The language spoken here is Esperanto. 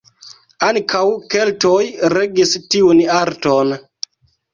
Ankaŭ keltoj regis tiun arton.